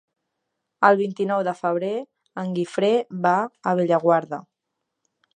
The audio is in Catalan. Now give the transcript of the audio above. El vint-i-nou de febrer en Guifré va a Bellaguarda.